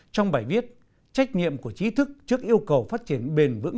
trong bài viết trách nhiệm của trí thức trước yêu cầu phát triển bền vững